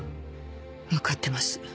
分かってます。